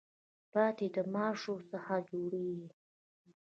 پاتی د ماشو څخه جوړیږي.